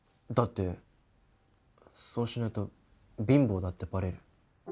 だってそうしないと貧乏だってバレる。